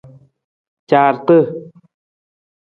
Caarata.